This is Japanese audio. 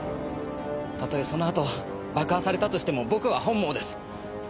たとえその後爆破されたとしても僕は本望です。